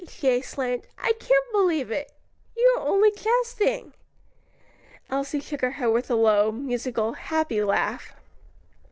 she exclaimed, "I can't believe it; you are only jesting." Elsie shook her head with a low, musical, happy laugh.